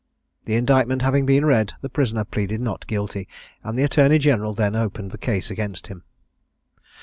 The indictment having been read, the prisoner pleaded Not Guilty, and the Attorney general then opened the case against him.